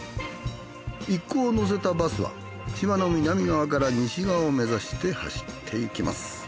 一行を乗せたバスは島の南側から西側を目指して走っていきます。